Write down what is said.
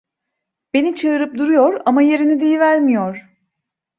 Beni çığırıp duruyor ama yerini diyivermiyor.